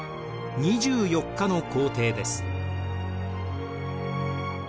２４日の行程です。